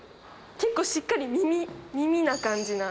結構しっかり耳耳な感じな。